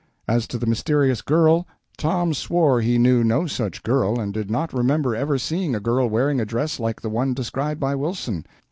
As to the mysterious girl, Tom swore he knew no such girl, and did not remember ever seeing a girl wearing a dress like the one described by Wilson.